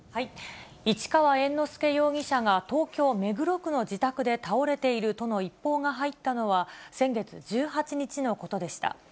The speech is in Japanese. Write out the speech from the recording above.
市川猿之助容疑者が東京・目黒区の自宅で倒れているとの一報が入ったのは、先月１８日のことでした。